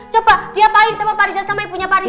coba diapain sama pak riza sama ibunya pak riza